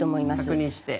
確認して。